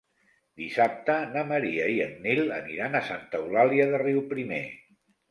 Dissabte na Maria i en Nil aniran a Santa Eulàlia de Riuprimer.